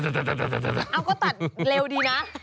เอาก็ตัดเร็วดีนะ